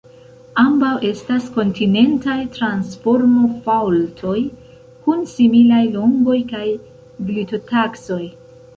Ambaŭ estas kontinentaj transformofaŭltoj kun similaj longoj kaj glitotaksoj.